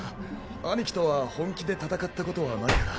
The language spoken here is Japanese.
兄貴とは本気で戦ったことはないから。